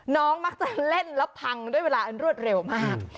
น้องมักจะเล่นแล้วพังด้วยเวลาอันรวดเร็วมาก